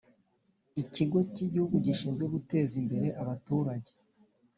Ikigo cy Igihugu Gishinzwe Guteza imbere abaturage